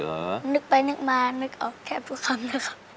นึกไปนึกมานึกออกแค่ทุกคำนะครับ